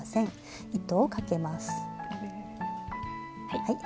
はい。